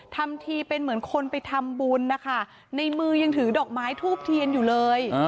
ทำทีเป็นเหมือนคนไปทำบุญนะคะในมือยังถือดอกไม้ทูบเทียนอยู่เลย